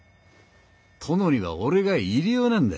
殿には俺が入り用なんだ。